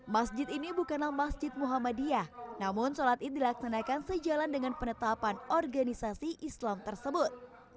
masjid ini bukanlah masjid muhammadiyah namun sholat id dilaksanakan sejalan dengan penetapan organisasi islam tersebut